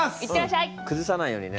くずさないようにね。